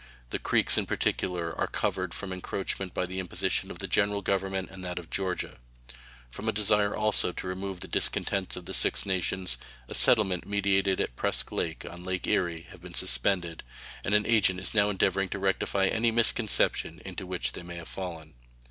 The Creeks in particular are covered from encroachment by the imposition of the General Government and that of Georgia. From a desire also to remove the discontents of the Six Nations, a settlement mediated at Presque Isle, on Lake Erie, has been suspended, and an agent is now endeavoring to rectify any misconception into which they may have fallen.